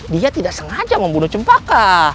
dia tidak sengaja membunuh cempaka